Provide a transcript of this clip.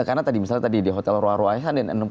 karena misalnya tadi di hotel ruah ruah